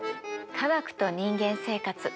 「科学と人間生活」